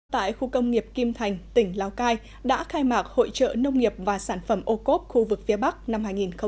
tại khu công nghiệp kim thành tỉnh lào cai đã khai mạc hội trợ nông nghiệp và sản phẩm ô cốp khu vực phía bắc năm hai nghìn hai mươi